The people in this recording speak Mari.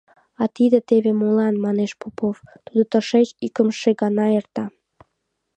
— А тиде теве молан, — манеш Попов, — тудо тышеч икымше гана эрта.